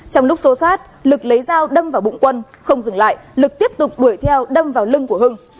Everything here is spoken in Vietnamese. trong lúc xô sát lực lấy dao đâm vào bụng quân không dừng lại lực tiếp tục đuổi theo đâm vào lưng của hưng